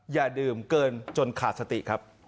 อย่าดื่มเกินจนขาดสติครับ